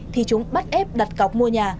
thì chúng bắt ép đặt cọc mua nhà